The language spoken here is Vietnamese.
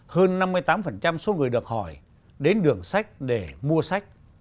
hơn năm mươi tám số người được hỏi đến đường sách để mua sách